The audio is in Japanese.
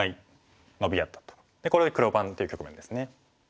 これで黒番という局面ですね。